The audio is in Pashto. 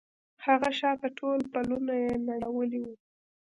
هغه شاته ټول پلونه يې نړولي وو.